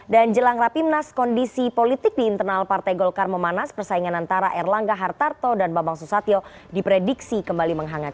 dan jelang rapimnas kondisi politik di internal partai golkar memanas persaingan antara erlangga hartarto dan bambang susatyo diprediksi kembali menghangat